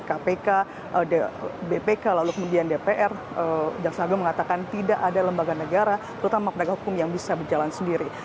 kpk bpk lalu kemudian dpr jaksa agung mengatakan tidak ada lembaga negara terutama penegak hukum yang bisa berjalan sendiri